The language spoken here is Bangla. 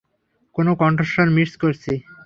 কোনো কন্ঠস্বর মিস করছি।